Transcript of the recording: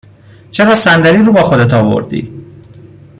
چرا صندلی رو با خودت آوردی؟